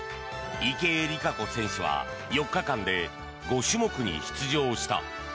池江璃花子選手は４日間で５種目に出場した。